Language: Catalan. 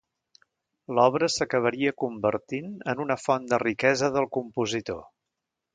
L'obra s'acabaria convertint en una font de riquesa del compositor.